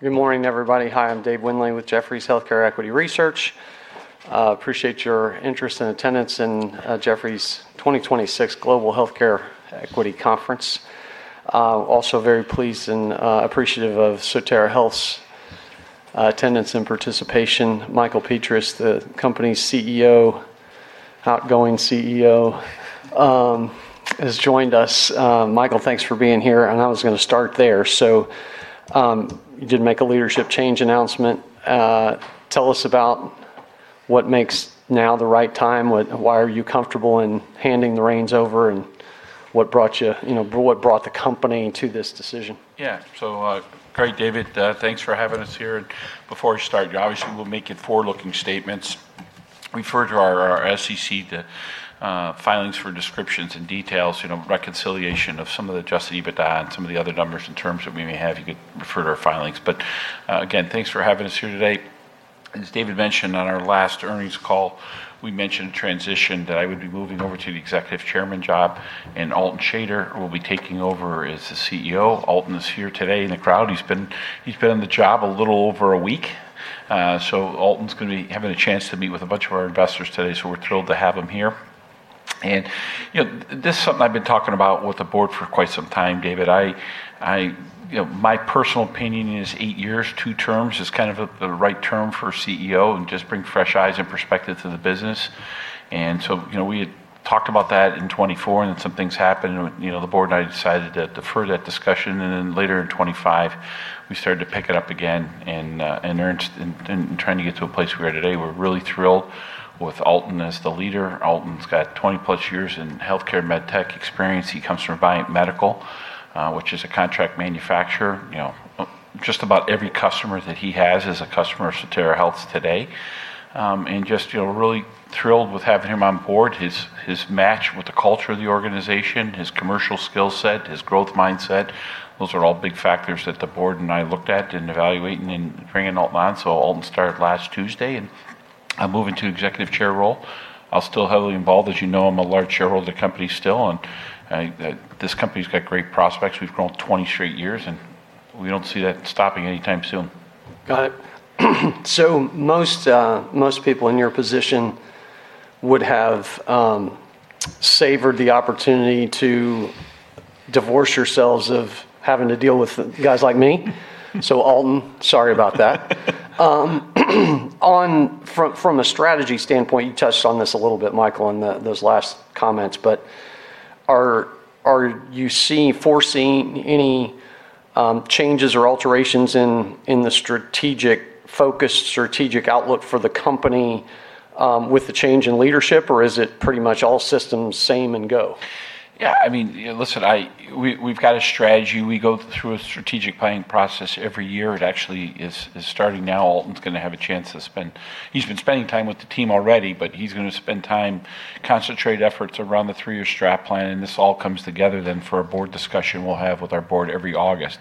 Good morning, everybody. Hi, I'm Dave Windley with Jefferies Healthcare Equity Research. Appreciate your interest and attendance in Jefferies' 2026 Global Healthcare Conference. Also very pleased and appreciative of Sotera Health's attendance and participation. Michael Petras, the company's CEO outgoing CEO, has joined us. Michael, thanks for being here. I was going to start there. You did make a leadership change announcement. Tell us about what makes now the right time. Why are you comfortable in handing the reins over, and what brought the company to this decision? Yeah. Great, David. Thanks for having us here. Before we start, obviously we're making forward-looking statements. Refer to our SEC filings for descriptions and details, reconciliation of some of the adjusted EBITDA and some of the other numbers and terms that we may have, you could refer to our filings. Again, thanks for having us here today. As David mentioned on our last earnings call, we mentioned a transition that I would be moving over to the Executive Chairman job, and Alton Shader will be taking over as the CEO. Alton is here today in the crowd. He's been on the job a little over a week. Alton's going to be having a chance to meet with a bunch of our investors today, so we're thrilled to have him here. This is something I've been talking about with the board for quite some time, David. My personal opinion is eight years, two terms is kind of the right term for a CEO, and just bring fresh eyes and perspective to the business. We had talked about that in 2024, then some things happened, and the board and I decided to defer that discussion. Later in 2025, we started to pick it up again, trying to get to a place we are today. We're really thrilled with Alton as the leader. Alton's got 20+ years in healthcare medtech experience. He comes from Viant Medical, which is a contract manufacturer. Just about every customer that he has is a customer of Sotera Health's today. Just really thrilled with having him on board. His match with the culture of the organization, his commercial skill set, his growth mindset, those are all big factors that the board and I looked at in evaluating and bringing Alton on. Alton started last Tuesday, I'm moving to Executive Chair role. I'll still heavily involved. As you know, I'm a large shareholder of the company still, this company's got great prospects. We've grown 20 straight years, we don't see that stopping anytime soon. Got it. Most people in your position would have savored the opportunity to divorce yourselves of having to deal with guys like me. Alton, sorry about that. From a strategy standpoint, you touched on this a little bit, Michael, in those last comments, but are you foreseeing any changes or alterations in the strategic focus, strategic outlook for the company with the change in leadership, or is it pretty much all systems same and go? Yeah. Listen, we've got a strategy. We go through a strategic planning process every year. It actually is starting now. Alton's going to have a chance. He's been spending time with the team already, but he's going to spend time, concentrate efforts around the three-year strategic plan, and this all comes together for a board discussion we'll have with our board every August.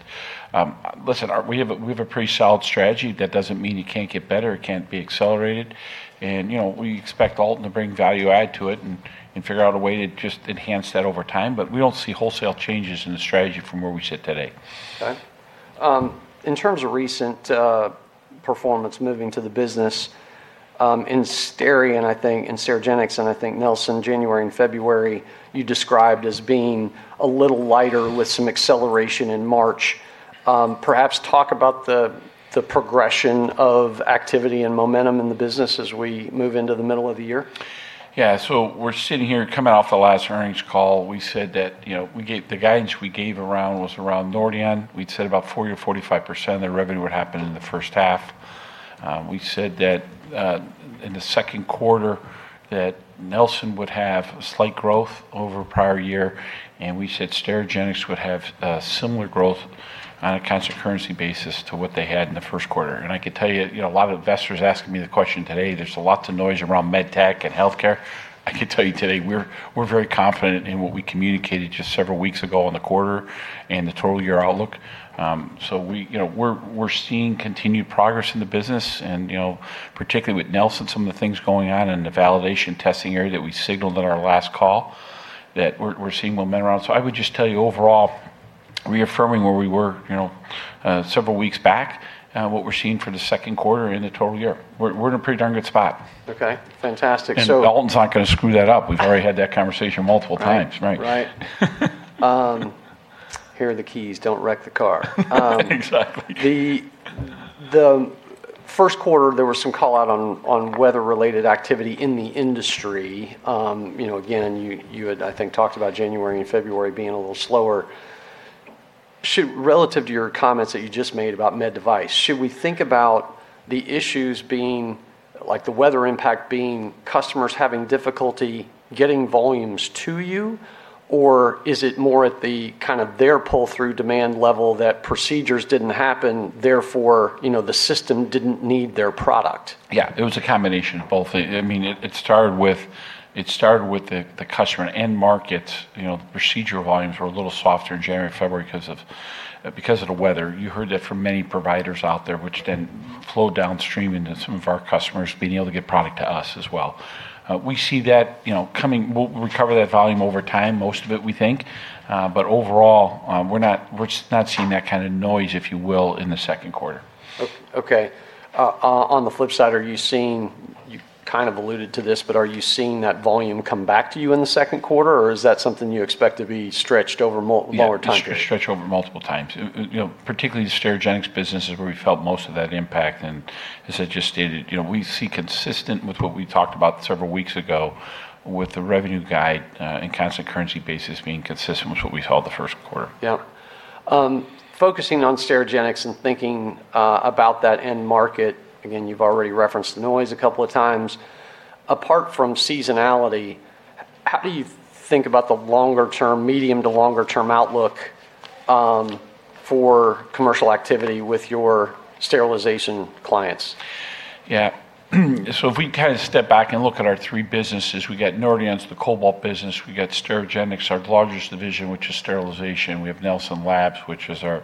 Listen, we have a pretty solid strategy. That doesn't mean it can't get better, it can't be accelerated. We expect Alton to bring value add to it, and figure out a way to just enhance that over time. We don't see wholesale changes in the strategy from where we sit today. Okay. In terms of recent performance, moving to the business, in Sterigenics, I think, in Sterigenics and I think Nelson, January and February, you described as being a little lighter with some acceleration in March. Perhaps talk about the progression of activity and momentum in the business as we move into the middle of the year. We're sitting here coming off the last earnings call. The guidance we gave was around Nordion. We'd said about 40% or 45% of the revenue would happen in the first half. We said that in the second quarter that Nelson would have slight growth over prior year, and we said Sterigenics would have similar growth on a constant currency basis to what they had in the first quarter. I could tell you, a lot of investors are asking me the question today. There's lots of noise around medtech and healthcare. I could tell you today, we're very confident in what we communicated just several weeks ago on the quarter and the total year outlook. We're seeing continued progress in the business and particularly with Nelson, some of the things going on in the validation testing area that we signaled on our last call that we're seeing momentum around. I would just tell you overall, reaffirming where we were several weeks back, what we're seeing for the second quarter and the total year. We're in a pretty darn good spot. Okay. Fantastic. Alton's not going to screw that up. We've already had that conversation multiple times. Right. Right. Here are the keys. Don't wreck the car. Exactly. The first quarter, there was some call-out on weather-related activity in the industry. Again, you had, I think, talked about January and February being a little slower. Relative to your comments that you just made about med device, should we think about the issues being the weather impact being customers having difficulty getting volumes to you, or is it more at the kind of their pull-through demand level that procedures didn't happen, therefore the system didn't need their product? Yeah. It was a combination of both. It started with the customer end market. The procedural volumes were a little softer in January, February because of the weather. You heard that from many providers out there, which then flowed downstream into some of our customers being able to get product to us as well. We'll recover that volume over time, most of it, we think. Overall, we're not seeing that kind of noise, if you will, in the second quarter. Okay. On the flip side, you kind of alluded to this, but are you seeing that volume come back to you in the second quarter or is that something you expect to be stretched over more time period? Yeah, stretch over multiple times. Particularly the Sterigenics business is where we felt most of that impact. As I just stated, we see consistent with what we talked about several weeks ago with the revenue guide and constant currency basis being consistent with what we saw the first quarter. Yeah. Focusing on Sterigenics and thinking about that end market, again, you've already referenced the noise a couple of times. Apart from seasonality, how do you think about the medium to longer term outlook for commercial activity with your sterilization clients? Yeah. If we step back and look at our three businesses, we got Nordion, the cobalt business, we got Sterigenics, our largest division, which is sterilization. We have Nelson Labs, which is our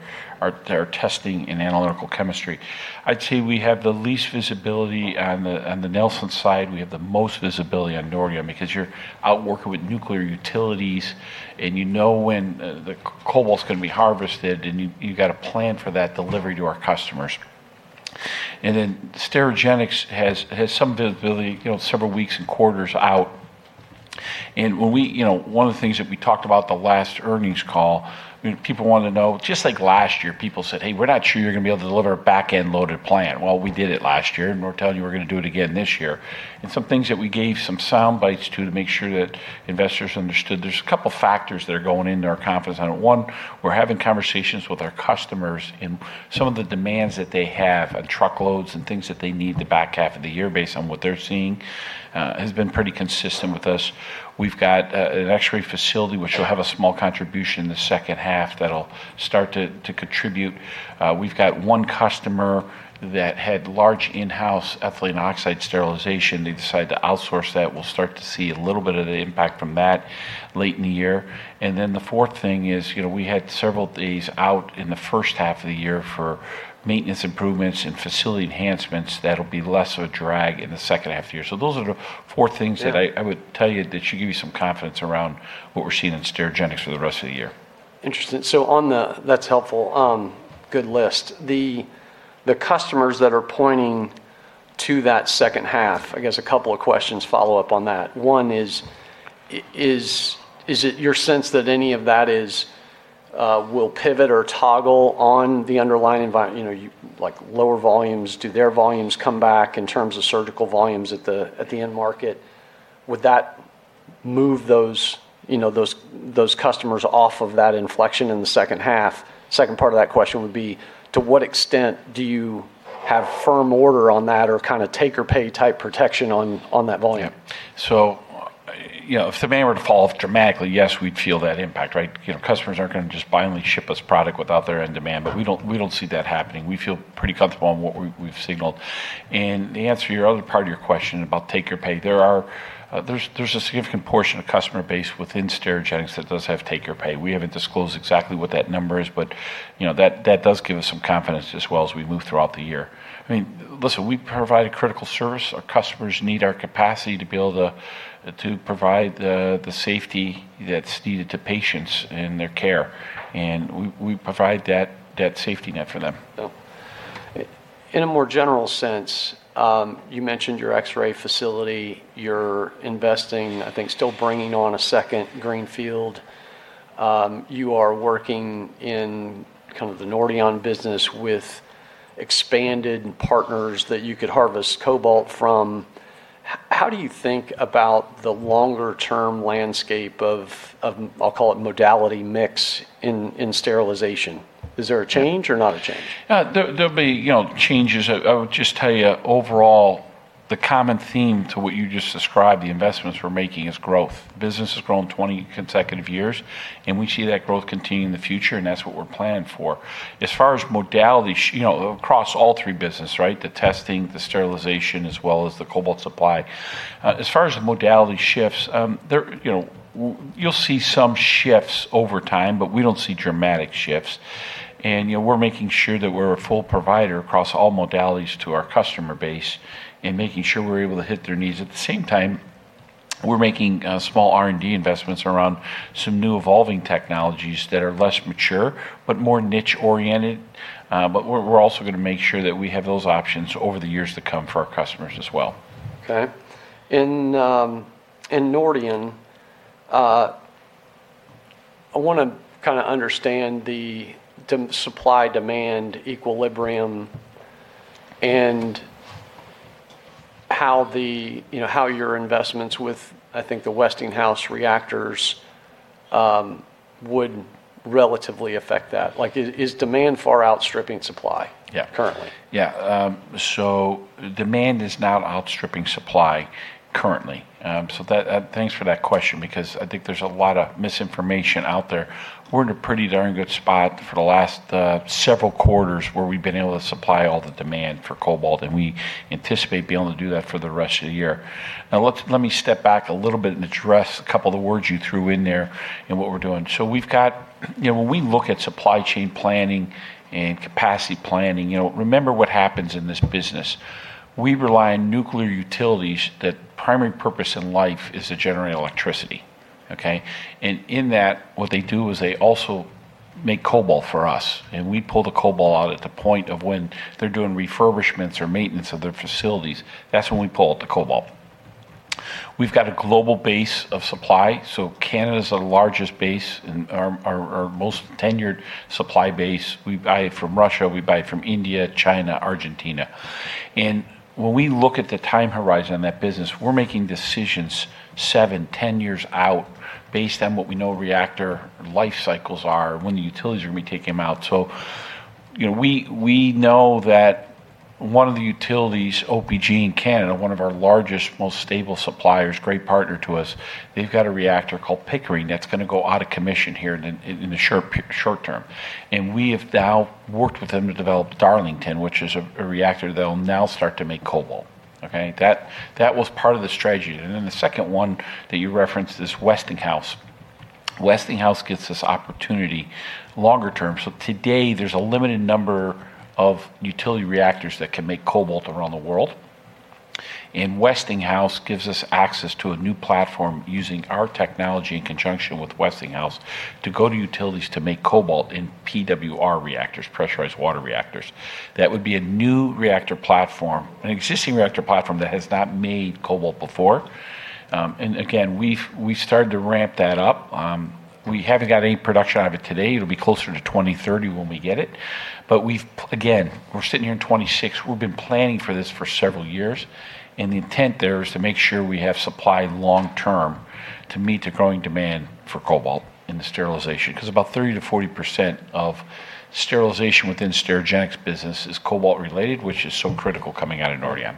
testing in analytical chemistry. I'd say we have the least visibility on the Nelson side, we have the most visibility on Nordion because you're out working with nuclear utilities, and you know when the cobalt's going to be harvested, and you've got to plan for that delivery to our customers. Sterigenics has some visibility, several weeks and quarters out. One of the things that we talked about the last earnings call, people wanted to know, just like last year, people said, "Hey, we're not sure you're going to be able to deliver a backend loaded plan." Well, we did it last year, and we're telling you we're going to do it again this year. Some things that we gave some sound bites to make sure that investors understood. There's a couple factors that are going into our confidence on it. One, we're having conversations with our customers and some of the demands that they have on truckloads and things that they need the back half of the year based on what they're seeing has been pretty consistent with us. We've got an X-ray facility which will have a small contribution in the second half that'll start to contribute. We've got one customer that had large in-house ethylene oxide sterilization. They decided to outsource that. We'll start to see a little bit of the impact from that late in the year. The fourth thing is we had several days out in the first half of the year for maintenance improvements and facility enhancements that'll be less of a drag in the second half of the year. Those are the four things that I would tell you that should give you some confidence around what we're seeing in Sterigenics for the rest of the year. Interesting. That is helpful. Good list. The customers that are pointing to that second half, I guess a couple of questions follow up on that. One is it your sense that any of that will pivot or toggle on the underlying like lower volumes? Do their volumes come back in terms of surgical volumes at the end market? Would that move those customers off of that inflection in the second half? Second part of that question would be, to what extent do you have firm order on that or kind of take or pay type protection on that volume? If demand were to fall off dramatically, yes, we'd feel that impact, right? Customers aren't going to just blindly ship us product without their end demand, we don't see that happening. We feel pretty comfortable on what we've signaled. The answer to your other part of your question about take or pay, there's a significant portion of customer base within Sterigenics that does have take or pay. We haven't disclosed exactly what that number is, but that does give us some confidence as well as we move throughout the year. Listen, we provide a critical service. Our customers need our capacity to be able to provide the safety that's needed to patients in their care. We provide that safety net for them. In a more general sense, you mentioned your X-ray facility. You're investing, I think still bringing on a second greenfield. You are working in the Nordion business with expanded partners that you could harvest cobalt from. How do you think about the longer-term landscape of, I'll call it modality mix in sterilization? Is there a change or not a change? There'll be changes. I would just tell you, overall, the common theme to what you just described, the investments we're making is growth. Business has grown 20 consecutive years, and we see that growth continuing in the future, and that's what we're planning for. As far as modality, across all three business, right? The testing, the sterilization, as well as the cobalt supply. As far as the modality shifts, you'll see some shifts over time, but we don't see dramatic shifts. We're making sure that we're a full provider across all modalities to our customer base and making sure we're able to hit their needs. At the same time, we're making small R&D investments around some new evolving technologies that are less mature, but more niche oriented. We're also going to make sure that we have those options over the years to come for our customers as well. Okay. In Nordion, I want to understand the supply-demand equilibrium and how your investments with, I think, the Westinghouse reactors would relatively affect that. Is demand far outstripping supply? Yeah. Currently? Yeah. Demand is now outstripping supply currently. Thanks for that question, because I think there's a lot of misinformation out there. We're in a pretty darn good spot for the last several quarters where we've been able to supply all the demand for cobalt, and we anticipate being able to do that for the rest of the year. Now, let me step back a little bit and address a couple of the words you threw in there and what we're doing. When we look at supply chain planning and capacity planning, remember what happens in this business. We rely on nuclear utilities, that primary purpose in life is to generate electricity. Okay? In that, what they do is they also make cobalt for us, and we pull the cobalt out at the point of when they're doing refurbishments or maintenance of their facilities. That's when we pull out the cobalt. We've got a global base of supply. Canada's the largest base and our most tenured supply base. We buy it from Russia, we buy it from India, China, Argentina. When we look at the time horizon on that business, we're making decisions seven, 10 years out based on what we know reactor life cycles are, when the utilities are going to be taking them out. We know that one of the utilities, OPG in Canada, one of our largest, most stable suppliers, great partner to us, they've got a reactor called Pickering, that's going to go out of commission here in the short term. We have now worked with them to develop Darlington, which is a reactor that'll now start to make cobalt. Okay? That was part of the strategy. The second one that you referenced is Westinghouse. Westinghouse gets this opportunity longer term. Today, there's a limited number of utility reactors that can make cobalt around the world. Westinghouse gives us access to a new platform using our technology in conjunction with Westinghouse, to go to utilities to make cobalt in PWR reactors, pressurized water reactors. That would be a new reactor platform, an existing reactor platform that has not made cobalt before. Again, we've started to ramp that up. We haven't got any production out of it today. It'll be closer to 2030 when we get it. Again, we're sitting here in 2026, we've been planning for this for several years, and the intent there is to make sure we have supply long term to meet the growing demand for cobalt in the sterilization. About 30%-40% of sterilization within Sterigenics business is cobalt-related, which is so critical coming out of Nordion.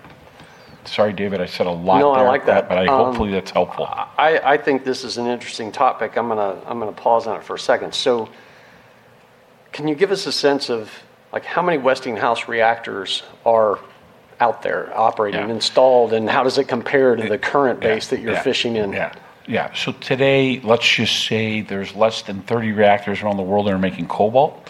Sorry, David, I said a lot there. No, I like that. Hopefully that's helpful. I think this is an interesting topic. I'm going to pause on it for a second. Can you give us a sense of how many Westinghouse reactors are out there operating? Yeah. Installed, and how does it compare to the current base- Yeah. ...that you're fishing in? Yeah. Today, let's just say there's less than 30 reactors around the world that are making cobalt,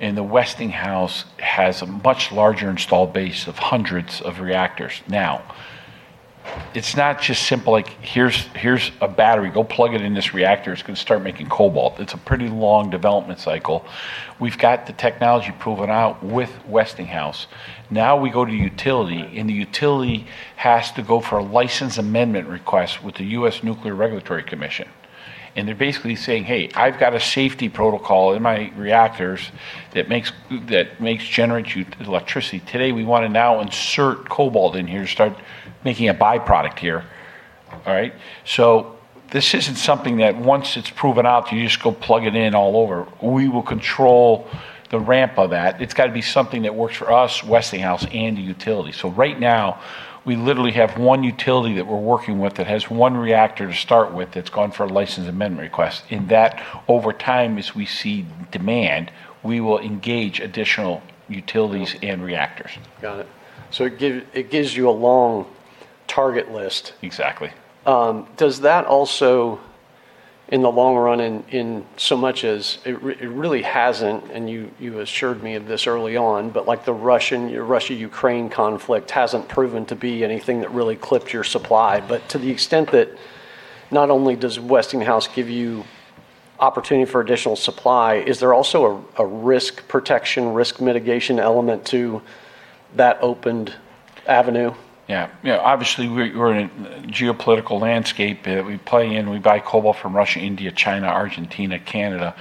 and the Westinghouse has a much larger installed base of hundreds of reactors. Now, it's not just simple like, here's a battery, go plug it in this reactor, it's going to start making cobalt. It's a pretty long development cycle. We've got the technology proven out with Westinghouse. Now we go to utility, and the utility has to go for a license amendment request with the U.S. Nuclear Regulatory Commission. They're basically saying, "Hey, I've got a safety protocol in my reactors that generates electricity. Today, we want to now insert cobalt in here to start making a byproduct here." All right? This isn't something that once it's proven out, you just go plug it in all over. We will control the ramp of that. It's got to be something that works for us, Westinghouse, and the utility. Right now, we literally have one utility that we're working with that has one reactor to start with, that's gone for a license amendment request. Over time, as we see demand, we will engage additional utilities and reactors. Got it. It gives you a long target list. Exactly. Does that also, in the long run, in so much as it really hasn't, and you assured me of this early on, but the Russia-Ukraine conflict hasn't proven to be anything that really clipped your supply. To the extent that not only does Westinghouse give you opportunity for additional supply, is there also a risk protection, risk mitigation element to that opened avenue? Yeah. Obviously, we're in a geopolitical landscape that we play in. We buy cobalt from Russia, India, China, Argentina, Canada.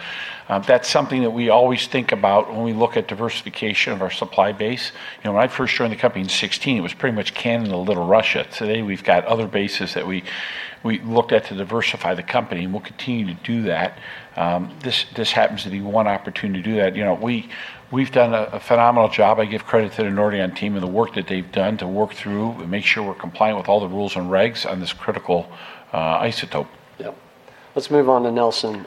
That's something that we always think about when we look at diversification of our supply base. When I first joined the company in 2016, it was pretty much Canada, a little Russia. Today, we've got other bases that we looked at to diversify the company, and we'll continue to do that. This happens to be one opportunity to do that. We've done a phenomenal job. I give credit to the Nordion team and the work that they've done to work through and make sure we're compliant with all the rules and regs on this critical isotope. Yep. Let's move on to Nelson.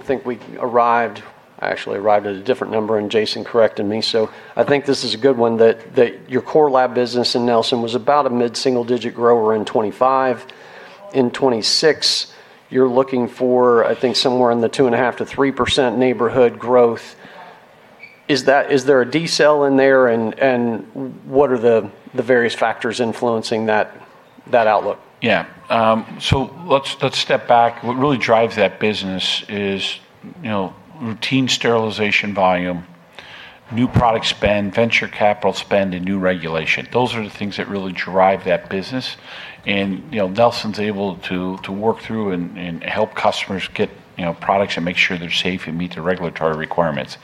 Think we arrived, I actually arrived at a different number and Jason corrected me, so I think this is a good one, that your core lab business in Nelson was about a mid-single digit grower in 2025. In 2026, you're looking for, I think, somewhere in the 2.5%-3% neighborhood growth. Is there a decel in there? What are the various factors influencing that outlook? Yeah. Let's step back. What really drives that business is routine sterilization volume, new product spend, venture capital spend, and new regulation. Those are the things that really drive that business. Nelson's able to work through and help customers get products and make sure they're safe and meet the regulatory requirements.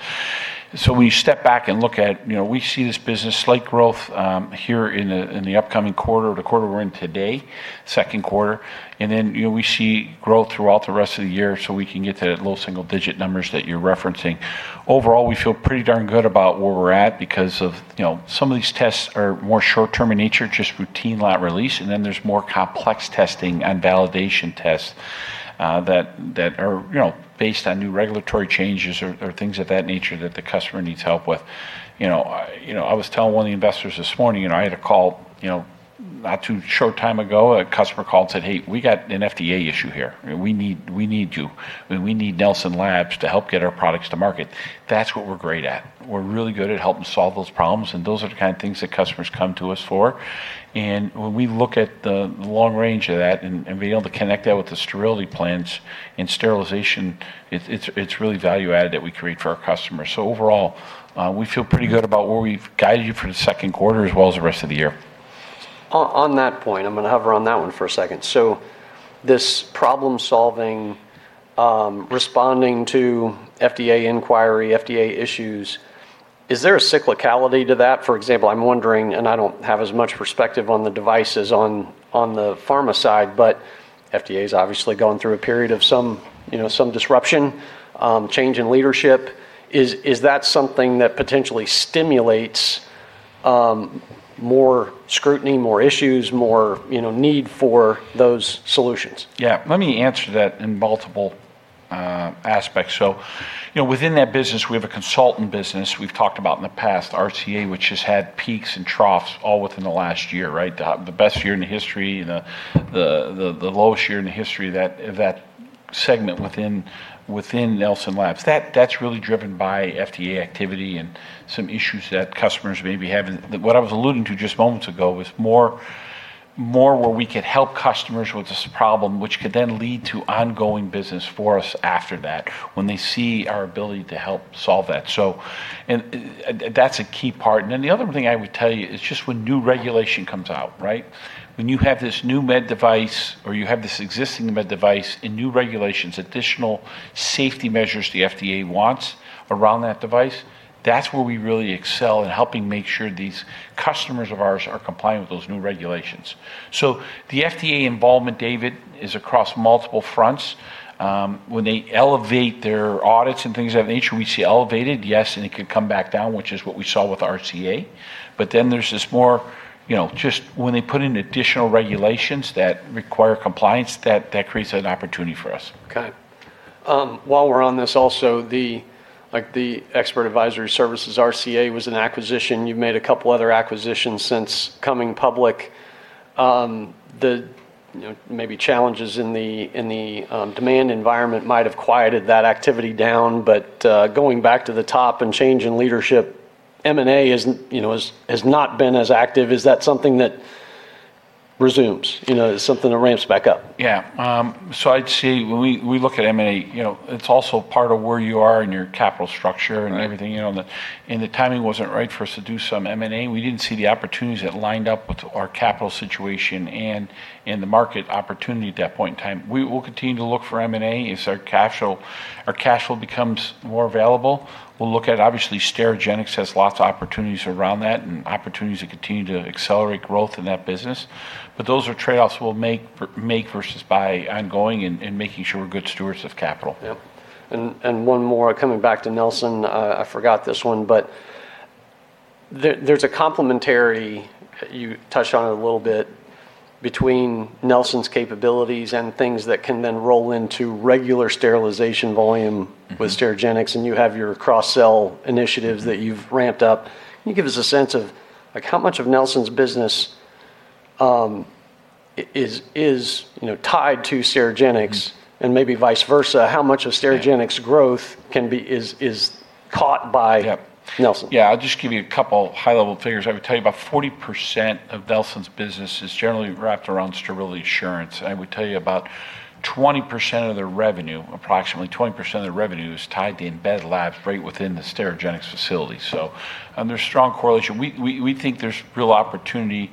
When you step back and look at, we see this business, slight growth here in the upcoming quarter, the quarter we're in today, second quarter. Then, we see growth throughout the rest of the year, so we can get to that low single-digit numbers that you're referencing. Overall, we feel pretty darn good about where we're at because of some of these tests are more short term in nature, just routine lot release, and then there's more complex testing and validation tests that are based on new regulatory changes or things of that nature that the customer needs help with. I was telling one of the investors this morning, I had a call not too short time ago, a customer called, said, "Hey, we got an FDA issue here. We need you. We need Nelson Labs to help get our products to market." That's what we're great at. We're really good at helping solve those problems, and those are the kind of things that customers come to us for. When we look at the long range of that and being able to connect that with the sterility plants and sterilization, it's really value add that we create for our customers. Overall, we feel pretty good about where we've guided you for the second quarter as well as the rest of the year. On that point, I'm going to hover on that one for a second. This problem-solving, responding to FDA inquiry, FDA issues, is there a cyclicality to that? For example, I'm wondering, and I don't have as much perspective on the devices on the pharma side, but FDA's obviously going through a period of some disruption, change in leadership. Is that something that potentially stimulates more scrutiny, more issues, more need for those solutions? Yeah. Let me answer that in multiple aspects. Within that business, we have a consultant business we've talked about in the past, RCA, which has had peaks and troughs all within the last year, right? The best year in the history, the lowest year in the history of that segment within Nelson Labs. That's really driven by FDA activity and some issues that customers may be having. What I was alluding to just moments ago was more where we could help customers with this problem, which could then lead to ongoing business for us after that, when they see our ability to help solve that. That's a key part. The other thing I would tell you is just when new regulation comes out, right? When you have this new med device or you have this existing med device and new regulations, additional safety measures the FDA wants around that device, that's where we really excel in helping make sure these customers of ours are complying with those new regulations. The FDA involvement, David, is across multiple fronts. When they elevate their audits and things of that nature, we see elevated, yes, and it could come back down, which is what we saw with RCA. There's this more just when they put in additional regulations that require compliance, that creates an opportunity for us. Okay. While we're on this also, the Expert Advisory Services, RCA was an acquisition. You've made a couple other acquisitions since coming public. The maybe challenges in the demand environment might have quieted that activity down. Going back to the top and change in leadership, M&A has not been as active. Is that something that resumes? Is something that ramps back up? Yeah. I'd say when we look at M&A, it's also part of where you are in your capital structure and everything. Right. The timing wasn't right for us to do some M&A. We didn't see the opportunities that lined up with our capital situation and the market opportunity at that point in time. We will continue to look for M&A as our cash flow becomes more available. We'll look at, obviously, Sterigenics has lots of opportunities around that and opportunities to continue to accelerate growth in that business. Those are trade-offs we'll make versus buy ongoing and making sure we're good stewards of capital. Yep. One more coming back to Nelson. I forgot this one. There's a complementary, you touched on it a little bit, between Nelson's capabilities and things that can then roll into regular sterilization volume with Sterigenics, and you have your cross-sell initiatives that you've ramped up. Can you give us a sense of how much of Nelson's business is tied to Sterigenics? And maybe vice versa, how much of Sterigenics' growth- Yeah. ...is caught by. Yep. Nelson? Yeah. I'll just give you a couple high-level figures. I would tell you about 40% of Nelson's business is generally wrapped around sterility assurance. I would tell you about 20% of their revenue, approximately 20% of their revenue is tied to the embed labs right within the Sterigenics facility. There's strong correlation. We think there's real opportunity.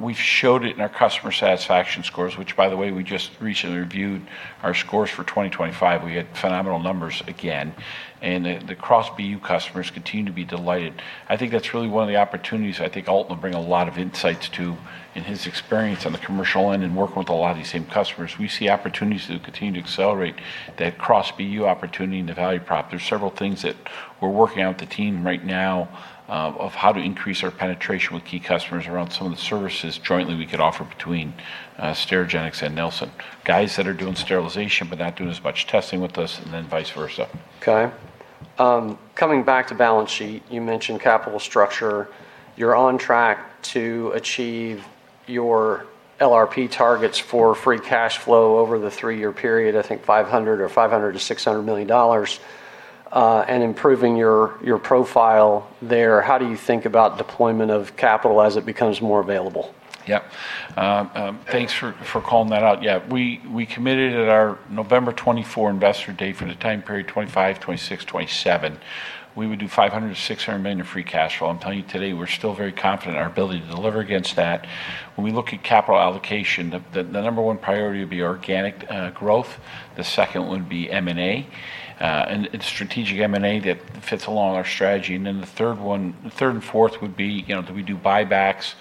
We've showed it in our customer satisfaction scores, which by the way, we just recently reviewed our scores for 2025. We had phenomenal numbers again. The cross BU customers continue to be delighted. I think that's really one of the opportunities I think Alton will bring a lot of insights to in his experience on the commercial end and working with a lot of these same customers. We see opportunities to continue to accelerate that cross BU opportunity and the value prop. There's several things that we're working on with the team right now, of how to increase our penetration with key customers around some of the services jointly we could offer between Sterigenics and Nelson. Guys that are doing sterilization but not doing as much testing with us, and then vice versa. Okay. Coming back to balance sheet, you mentioned capital structure. You're on track to achieve your LRP targets for free cash flow over the three-year period, I think $500 million or $500 million-$600 million, and improving your profile there. How do you think about deployment of capital as it becomes more available? Yep. Thanks for calling that out. Yeah. We committed at our November 2024 investor day for the time period 2025, 2026, 2027. We would do $500 million-$600 million in free cash flow. I'm telling you today, we're still very confident in our ability to deliver against that. When we look at capital allocation, the number one priority would be organic growth. The second one would be M&A, and strategic M&A that fits along our strategy. The third and fourth would be, do we do buybacks?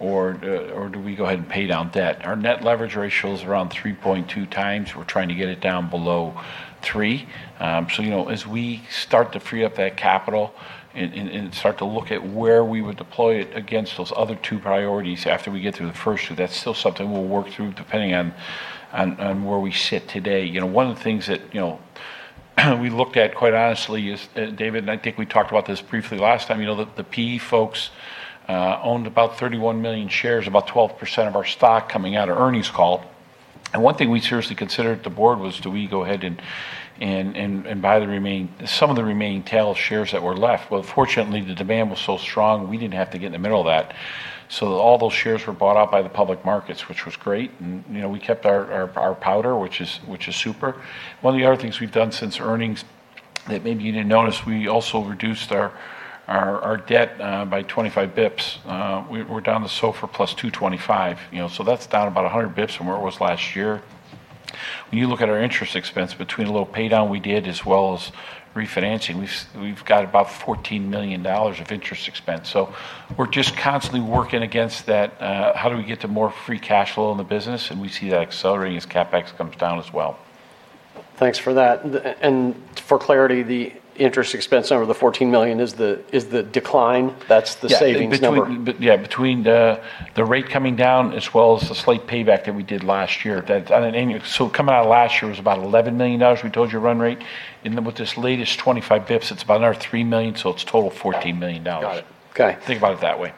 Do we go ahead and pay down debt? Our net leverage ratio is around 3.2x. We're trying to get it down below three. As we start to free up that capital and start to look at where we would deploy it against those other two priorities after we get through the first two, that's still something we'll work through, depending on where we sit today. One of the things that we looked at, quite honestly, is, David, and I think we talked about this briefly last time, the PE folks owned about 31 million shares, about 12% of our stock coming out of earnings call. One thing we seriously considered at the Board was, do we go ahead and buy some of the remaining tail shares that were left? Fortunately, the demand was so strong we didn't have to get in the middle of that. All those shares were bought out by the public markets, which was great, and we kept our powder, which is super. One of the other things we've done since earnings that maybe you didn't notice, we also reduced our debt by 25 basis points. We're down to SOFR +2.25%. That's down about 100 basis points from where it was last year. When you look at our interest expense between the little pay down we did as well as refinancing, we've got about $14 million of interest expense. We're just constantly working against that. How do we get to more free cash flow in the business? We see that accelerating as CapEx comes down as well. Thanks for that. For clarity, the interest expense number, the $14 million, is the decline? That's the savings number. Yeah. Between the rate coming down as well as the slight payback that we did last year. Coming out of last year was about $11 million, we told you our run rate. With this latest 25 basis points, it's about another $3 million, so it's total of $14 million. Got it. Okay. Think about it that way.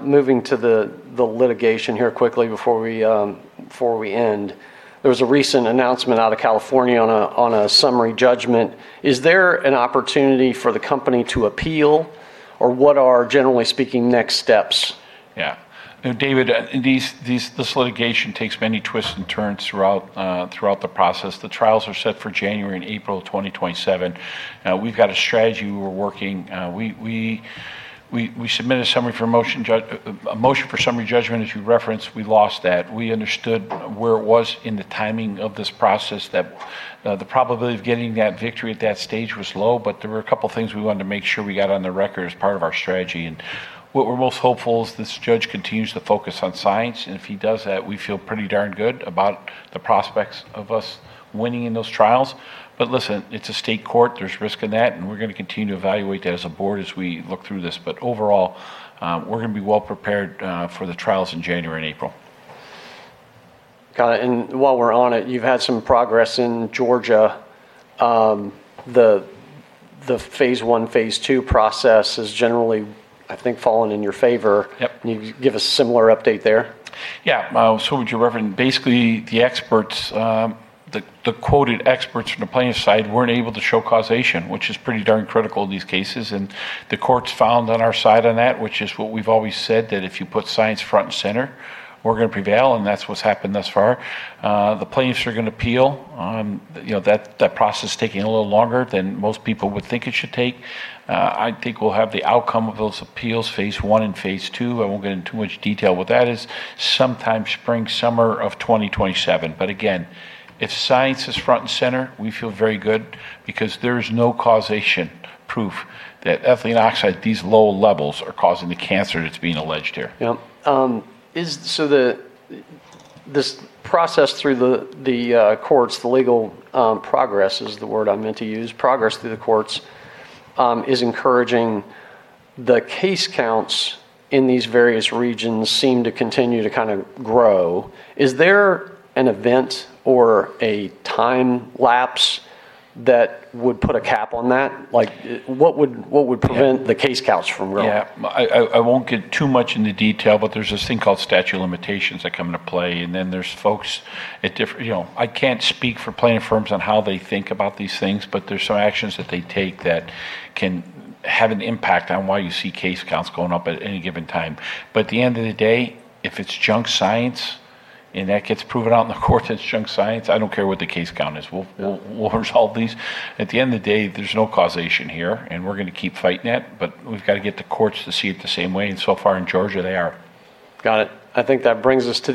Moving to the litigation here quickly before we end, there was a recent announcement out of California on a summary judgment. Is there an opportunity for the company to appeal, or what are, generally speaking, next steps? Yeah. David, this litigation takes many twists and turns throughout the process. The trials are set for January and April 2027. We've got a strategy we're working. We submitted a motion for summary judgment, as you referenced. We lost that. We understood where it was in the timing of this process that the probability of getting that victory at that stage was low, but there were a couple of things we wanted to make sure we got on the record as part of our strategy. What we're most hopeful is this judge continues to focus on science, and if he does that, we feel pretty darn good about the prospects of us winning in those trials. Listen, it's a state court. There's risk in that, and we're going to continue to evaluate that as a board, as we look through this. Overall, we're going to be well prepared for the trials in January and April. Got it. While we're on it, you've had some progress in Georgia. The Phase One, Phase Two process has generally, I think, fallen in your favor. Yep. Can you give a similar update there? Yeah. What you referenced, basically the quoted experts from the plaintiff side weren't able to show causation, which is pretty darn critical in these cases. The courts found on our side on that, which is what we've always said, that if you put science front and center, we're going to prevail, and that's what's happened thus far. The plaintiffs are going to appeal. That process is taking a little longer than most people would think it should take. I think we'll have the outcome of those appeals, phase one and phase two, I won't get into too much detail what that is, sometime spring, summer of 2027. Again, if science is front and center, we feel very good because there's no causation proof that ethylene oxide, these low levels, are causing the cancer that's being alleged here. Yep. This process through the courts, the legal progress is the word I meant to use, progress through the courts is encouraging. The case counts in these various regions seem to continue to kind of grow. Is there an event or a time lapse that would put a cap on that? What would prevent the case counts from growing? Yeah. I won't get too much into detail, there's this thing called statute of limitations that come into play, and then there's folks. I can't speak for plaintiff firms on how they think about these things, there's some actions that they take that can have an impact on why you see case counts going up at any given time. At the end of the day, if it's junk science and that gets proven out in the court, that it's junk science, I don't care what the case count is. We'll resolve these. At the end of the day, there's no causation here, and we're going to keep fighting that, but we've got to get the courts to see it the same way, and so far in Georgia, they are. Got it. I think that brings us to...